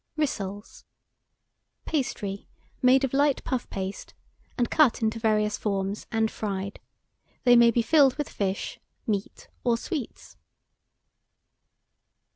RISSOLES. Pastry, made of light puff paste, and cut into various forms, and fried. They may be filled with fish, meat, or sweets.